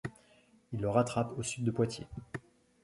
Il le rattrape au sud de Poitiers.